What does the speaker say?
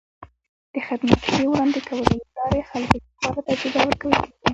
د خدمت ښې وړاندې کولو له لارې خلکو ته غوره تجربه ورکول کېږي.